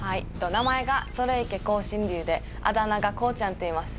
名前がそれいけ光神龍であだ名がこうちゃんっていいます。